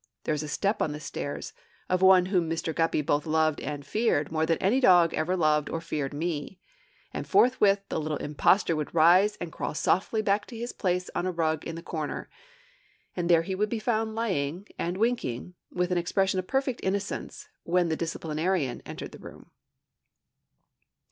there is a step on the stairs, of one whom Mr. Guppy both loved and feared more than any dog ever loved or feared me; and forthwith the little impostor would rise and crawl softly back to his place on a rug in the corner; and there he would be found lying and winking, with an expression of perfect innocence, when the disciplinarian entered the room.